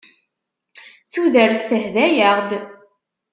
Tudert tehda-aɣ-d.